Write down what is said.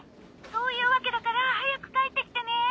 「そういうわけだから早く帰ってきてね」